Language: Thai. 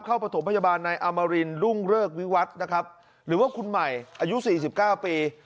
เข้าประถมพยาบาลในอามารินรุ่งเลิกวิวัฒน์นะครับหรือว่าคุณใหม่อายุสี่สิบเก้าปี